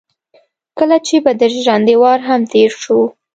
کله چې به د ژرندې وار هم تېر شو.